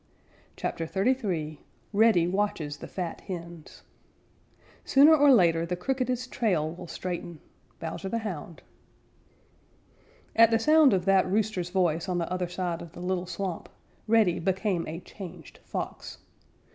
CHAPTER XXXIII REDDY WATCHES THE FAT HENS Sooner or later the crookedest trail will straighten. Bowser the Hound. At the sound of that rooster's voice on the other side of the little swamp, Reddy became a changed Fox.